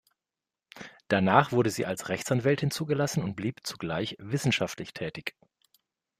Danach wurde sie als Rechtsanwältin zugelassen und blieb zugleich wissenschaftlich tätig.